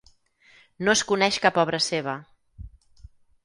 No es coneix cap obra seva.